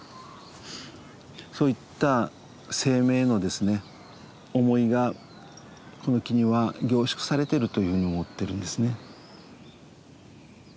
そういった生命の思いがこの木には凝縮されてるというふうに思ってるんですね。